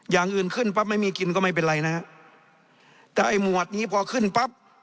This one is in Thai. อย่างอื่นขึ้นปั๊บไม่มีกินก็ไม่เป็นไรนะฮะแต่ไอ้หมวดนี้พอขึ้นปั๊บ